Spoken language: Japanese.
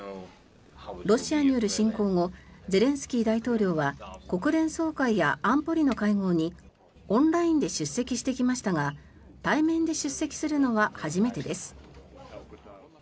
ロシアによる侵攻後ゼレンスキー大統領は国連総会や安保理の会合にオンラインで出席してきましたが対面で出席するのは初めてです。